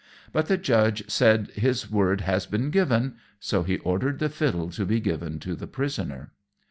But the judge said his word had been given; so he ordered the fiddle to be given to the prisoner.